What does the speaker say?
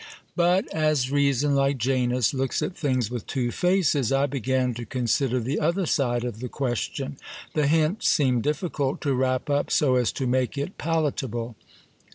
But as reason, like Janus, looks at things with two faces, I began to consider the other side of the question ; the hint seemed difficult to wrap up so as to make it palatable.